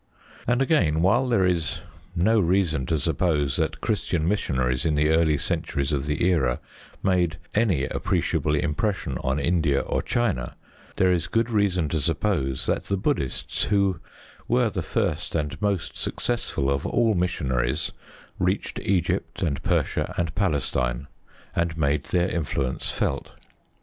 And, again, while there is no reason to suppose that Christian missionaries in the early centuries of the era made any appreciable impression on India or China, there is good reason to suppose that the Buddhists, who were the first and most successful of all missionaries, reached Egypt and Persia and Palestine, and made their influence felt.